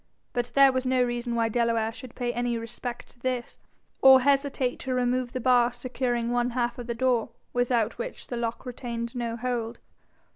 But there was no reason why Delaware should pay any respect to this, or hesitate to remove the bar securing one half of the door, without which the lock retained no hold.